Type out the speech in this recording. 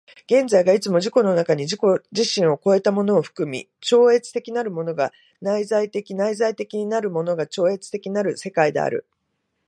現在がいつも自己の中に自己自身を越えたものを含み、超越的なるものが内在的、内在的なるものが超越的なる世界である。